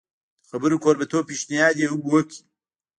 د خبرو کوربه توب پېشنهاد یې هم وکړ.